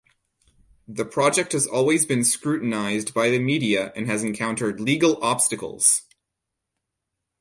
The project has always been scrutinized by the media and has encountered legal obstacles.